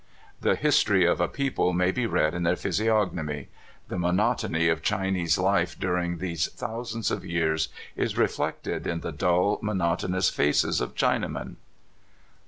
The history of a people may be read in their physiognomy. The monotony of Chinese life during these thousands of years is reflected in the dull, monotonous faces of Chinamen.